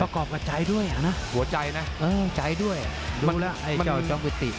กรอบกับใจด้วยอ่ะนะหัวใจนะเออใจด้วยดูแล้วไอ้เจ้าจอมกุฏิ